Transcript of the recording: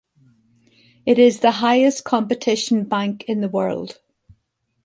It is the highest competition bank in the world.